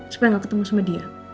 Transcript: supaya gak ketemu sama dia